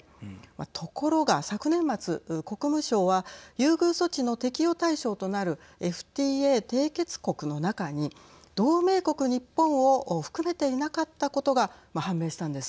ところが昨年末、国務省は優遇措置の適用対象となるＦＴＡ締結国の中に同盟国・日本を含めていなかったことがはい。